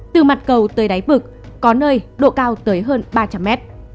từ mặt cầu tới đáy vực có nơi độ cao tới hơn ba trăm linh mét